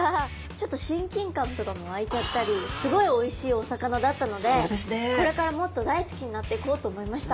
ちょっと親近感とかも湧いちゃったりすごいおいしいお魚だったのでこれからもっと大好きになっていこうと思いました。